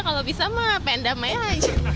kalau bisa mah pendam aja